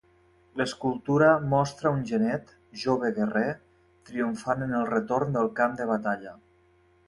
L'escultura mostra un genet -jove guerrer-, triomfant en el retorn del camp de batalla.